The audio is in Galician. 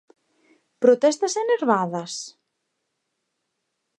Protestas enervadas?!